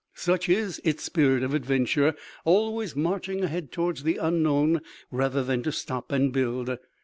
Such is its spirit of adventure: always marching ahead towards the unknown, rather than to stop and build.